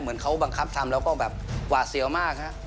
เหมือนเขาบังคับทำแล้วก็แบบหวาดเสียวมากฮะ